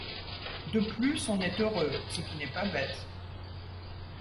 De plus, on est heureux, ce qui n’est pas bête.